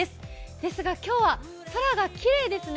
ですが今日は空がきれいですね。